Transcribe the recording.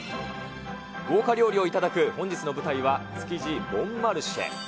豪華料理を頂く本日の舞台は、築地ボン・マルシェ。